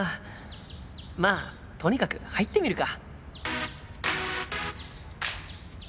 まあとにかく入ってみるか。